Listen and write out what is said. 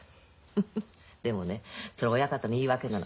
フフッでもねそれは親方の言い訳なの。